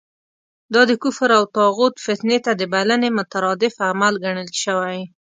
دا د کفر او طاغوت فتنې ته د بلنې مترادف عمل ګڼل شوی.